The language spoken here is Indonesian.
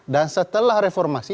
dan setelah reformasi